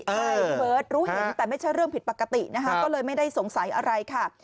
ใช่พี่เบิร์ตรู้เห็นแต่ไม่ใช่เรื่องผิดปกตินะคะก็เลยไม่ได้สงสัยอะไรค่ะ